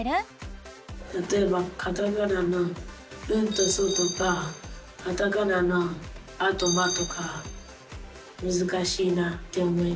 たとえばカタカナの「ン」と「ソ」とかカタカナの「ア」と「マ」とかむずかしいなって思います。